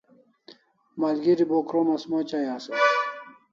Malgeri bo krom as mochai asaw